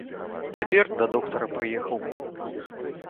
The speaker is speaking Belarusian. Цяпер да доктара прыехаў.